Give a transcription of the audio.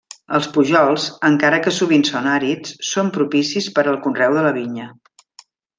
Els pujols, encara que sovint són àrids, són propicis per al conreu de la vinya.